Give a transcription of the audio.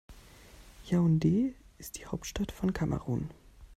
Yaoundé ist die Hauptstadt von Kamerun.